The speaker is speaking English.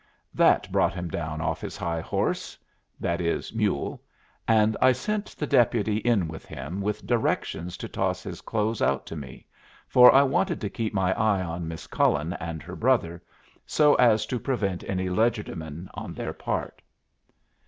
That brought him down off his high horse, that is, mule, and I sent the deputy in with him with directions to toss his clothes out to me, for I wanted to keep my eye on Miss Cullen and her brother, so as to prevent any legerdemain on their part.